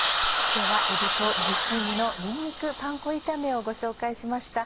今日は「えびとズッキーニのにんにくパン粉炒め」をご紹介しました。